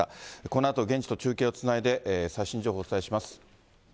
このあと現地と中継をつないで最新情報をお伝えします。